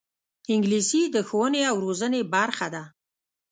انګلیسي د ښوونې او روزنې برخه ده